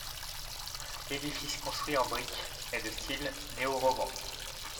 L'édifice construit en brique est de style néo-roman.